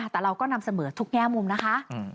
แต่เราก็นำเสนอทุกแง่มุมนะคะ